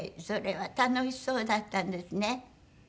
それは楽しそうだったんですね。